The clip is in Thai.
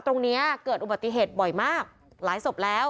ตรงนี้เกิดอุบัติเหตุบ่อยมากหลายศพแล้ว